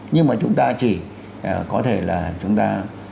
nhưng mà chúng ta chỉ có thể là chúng ta